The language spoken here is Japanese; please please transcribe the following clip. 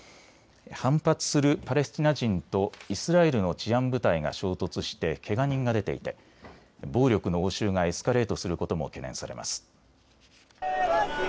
反発するパレスチナ人とイスラエルの治安部隊が衝突してけが人が出ていて暴力の応酬がエスカレートすることも懸念されます。